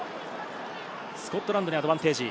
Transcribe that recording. スコットランドにアドバンテージ。